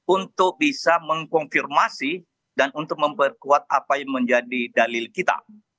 untuk bisa mengkonfirmasi dan untuk memperkuat apa yang menjadi dalil kita